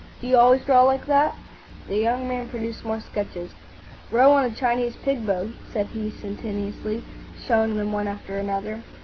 "Do you always draw like that?" The young man produced more sketches. "Row on a Chinese pig boat," said he, sententiously, showing them one after another.